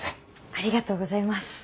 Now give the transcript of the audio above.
ありがとうございます。